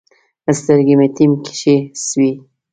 سترګې مې نيم کښې سوې.